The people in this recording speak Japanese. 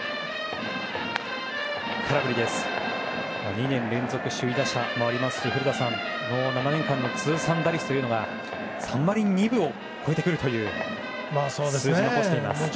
２年連続首位打者もありますし古田さん、７年間の通算打率が３割２分を超えてくるという数字を残しています。